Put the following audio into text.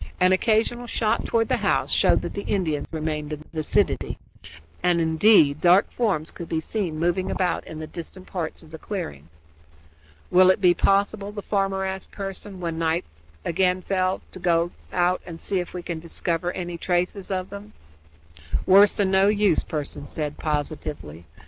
An occasional shot toward the house showed that the Indians remained in the vicinity and, indeed, dark forms could be seen moving about in the distant parts of the clearing. "Will it be possible," the farmer asked Pearson, when night again fell, "to go out and see if we can discover any traces of them?" "Worse than no use," Pearson said positively.